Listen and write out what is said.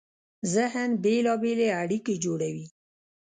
ذهن بېلابېلې اړیکې جوړوي.